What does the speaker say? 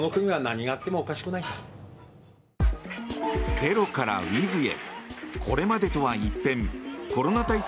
ゼロからウィズへ。